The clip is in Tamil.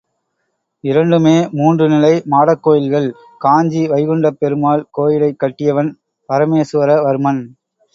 இரண்டுமே மூன்று நிலை மாடக் கோயில்கள் காஞ்சி வைகுண்டப் பெருமாள் கோயிலைக் கட்டியவன் பரமேசுவர வர்மன்.